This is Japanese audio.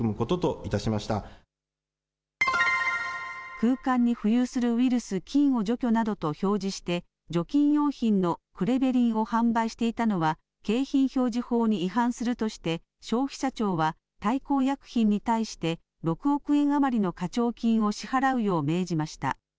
空間に浮遊するウイルス・菌を除去などと表示して、除菌用品のクレベリンを販売していたのは景品表示法に違反するとして、消費者庁は大幸薬品に対して、６億円余りの課徴金を支払うよう命じました。